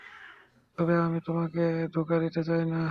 তবে আমি তোমাকে ধোকা দিতে চাইনা।